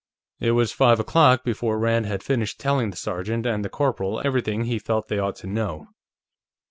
It was five o'clock before Rand had finished telling the sergeant and the corporal everything he felt they ought to know.